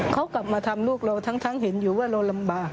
เขากลับมาทำลูกเราทั้งเห็นอยู่ว่าเราลำบาก